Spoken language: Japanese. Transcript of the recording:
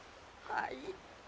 はい。